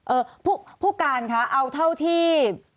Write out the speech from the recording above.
เอ่อผู้การค่ะเอาเท่าที่